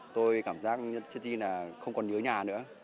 tôi cảm giác chứ gì là không còn nhớ nhà nữa